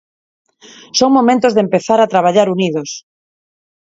"Son momentos de empezar a traballar unidos".